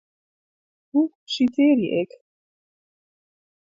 Hoe sitearje ik?